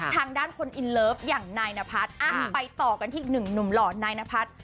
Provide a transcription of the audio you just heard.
ทางด้านคนอินเลิฟอย่างนายนพัฒน์ไปต่อกันที่อีกหนึ่งหนุ่มหล่อนายนพัฒน์